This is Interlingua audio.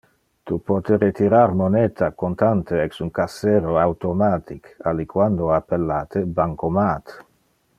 Tu pote retirar moneta contante ex un cassero automatic, aliquando appellate bancomat.